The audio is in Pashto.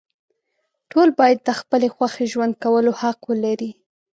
ټول باید د خپلې خوښې ژوند کولو حق ولري.